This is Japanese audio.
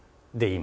今。